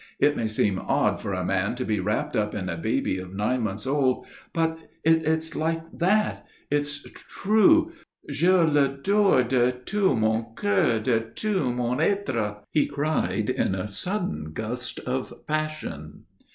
It may seem odd for a man to be wrapped up in a baby of nine months old but it's like that. It's true. Je l'adore de tout mon coeur, de tout mon être," he cried, in a sudden gust of passion.